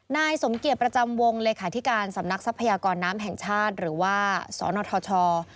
นายสมเกียจประจำวงเลขาธิการสำนักทรัพยากรน้ำแห่งชาติหรือว่าสนทช